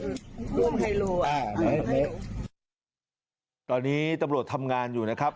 รูปอะครับตอนนี้ตำรวจทำงานอยู่นะครับ